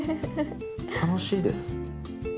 楽しいです。